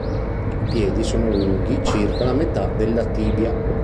I piedi sono lunghi circa la metà della tibia.